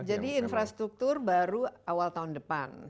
jadi infrastruktur baru awal tahun depan